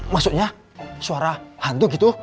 maksudnya suara hantu gitu